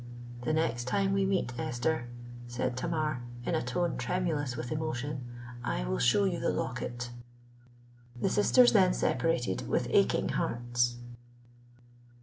"—"The next time we meet, Esther," said Tamar, in a tone tremulous with emotion, "I will show you the locket."—The sisters then separated with aching hearts.